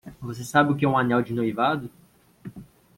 Você sabe o que é um anel de noivado?